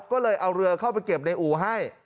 ก็เลยเอาเรือเข้าไปเก็บในอู่ให้